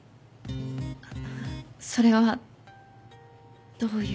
あっそれはどういう？